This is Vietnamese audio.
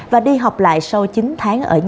và đi học lại sau chín tháng